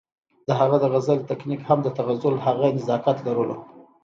د هغه د غزل تکنيک هم د تغزل هغه نزاکت لرلو